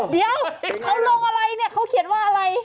เดี๋ยวเขาลงอะไรเนี่ยเขาเขียนว่าอะไร